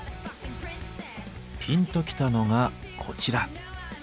ピンときたのがこちら。